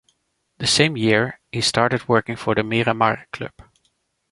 The same year he started working for the "Miramar" club.